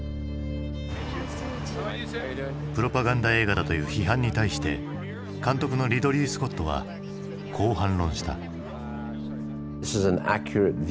プロパガンダ映画だという批判に対して監督のリドリー・スコットはこう反論した。